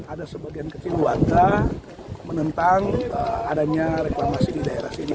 ada sebagian kecil warga menentang adanya reklamasi di daerah sini